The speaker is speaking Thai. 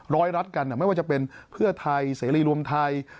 ร้อยรัดกันนี่ไม่ว่าจะเป็นเพื่อไทยเศรษฐ์รียลมไทย